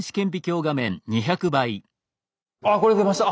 あっこれ出ました。